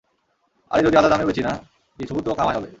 আরে যদি আধা দামেও বেচি না, কিছুতো কামাই হবে।